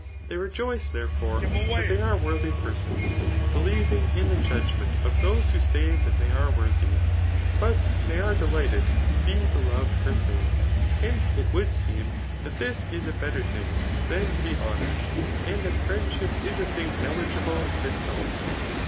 They rejoicey therefore, that they are worthy persons, believing in the judgment of those who say that they are worthy ; but they are delighted to be beloved per se. Henc^ it would seem that this is a better thing than to be honour ed, and that friendship is a thing eligible of itself.